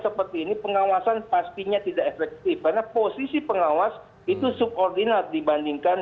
seperti ini pengawasan pastinya tidak efektif karena posisi pengawas itu subordinat dibandingkan